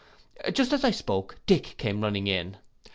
'—Just as I spoke Dick came running in.